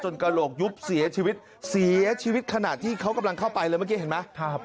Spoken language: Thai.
กระโหลกยุบเสียชีวิตเสียชีวิตขณะที่เขากำลังเข้าไปเลยเมื่อกี้เห็นไหม